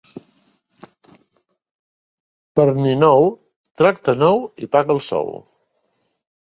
Per Ninou, tracte nou i paga el sou.